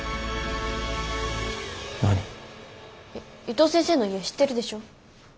伊藤先生の家知ってるでしょ？